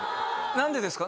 何でですか？